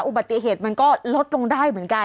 อุบัติเหตุมันก็ลดลงได้เหมือนกัน